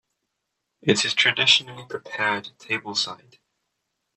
It is traditionally prepared tableside.